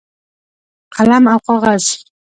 قلم او کاغذ